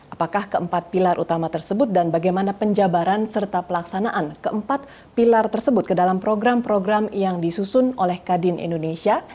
apakah keempat pilar utama tersebut dan bagaimana penjabaran serta pelaksanaan keempat pilar tersebut ke dalam program program yang disusun oleh kadin indonesia